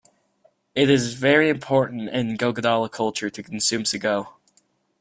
It is very important in Gogodala culture to consume sago.